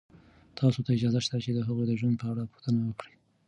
تاسو ته اجازه شته چې د هغوی د ژوند په اړه پوښتنې وکړئ.